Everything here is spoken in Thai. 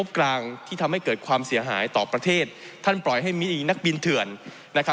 เพราะมันก็มีเท่านี้นะเพราะมันก็มีเท่านี้นะ